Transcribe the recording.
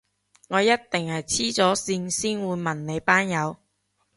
我一定係痴咗線先會問你班友